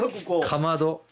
かまど。